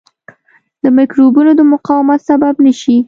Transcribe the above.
د مکروبونو د مقاومت سبب نه شي.